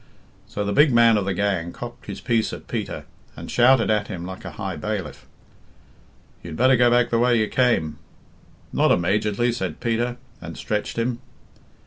So the big man of the gang cocked his piece at Peter, and shouted at him like a high bailiff, "You'd better go back the way you came." "Not immajetly," said Peter, and stretched him.